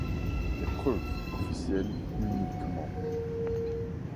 Épreuves officielles uniquement.